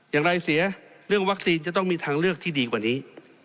อย่างไรเสียเรื่องวัคซีนจะต้องมีทางเลือกที่ดีกว่านี้